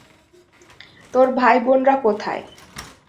তোর ভাই-বোন রা কোথায়?